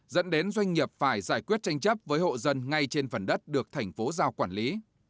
dẫn đến doanh nghiệp phải giải quyết tranh chấp với hộ dân ngay trên phần đất được thành phố giao quản lý